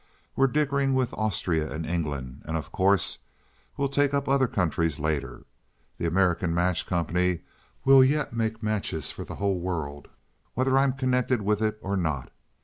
We're dickering with Austria and England, and of course we'll take up other countries later. The American Match Company will yet make matches for the whole world, whether I'm connected with it or not.